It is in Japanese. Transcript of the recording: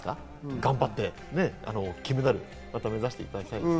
頑張って金メダルをまた目指してもらいたいです。